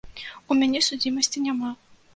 У мяне судзімасці няма.